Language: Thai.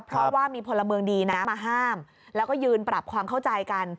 เพราะว่ามีพลเมืองดีนะมาห้ามแล้วก็ยืนปรับความเข้าใจกัน